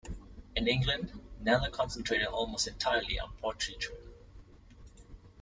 In England, Kneller concentrated almost entirely on portraiture.